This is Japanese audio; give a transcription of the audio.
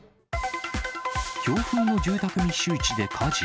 強風の住宅密集地で火事。